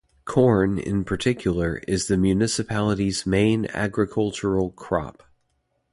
Corn, in particular, is the municipality's main agricultural crop.